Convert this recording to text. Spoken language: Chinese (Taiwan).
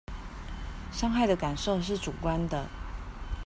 傷害的感受是主觀的